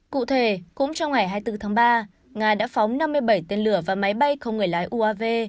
cụ thể cũng trong ngày hai mươi bốn tháng ba nga đã phóng năm mươi bảy tên lửa và máy bay không người lái uav